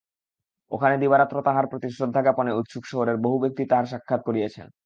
ওখানে দিবারাত্র তাঁহার প্রতি শ্রদ্ধাজ্ঞাপনে উৎসুক শহরের বহু ব্যক্তি তাঁহার সাক্ষাৎ করিয়াছেন।